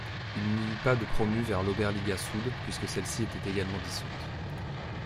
Il n'y eut pas de promus vers l'Oberliga Süd puisque celle-ci était également dissoute.